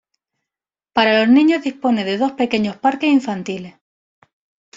Para los niños dispone de dos pequeños parques infantiles.